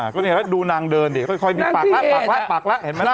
ก็นี่นะครับดูนางเดินดิค่อยมีปากละปากละปากละเห็นไหมนะ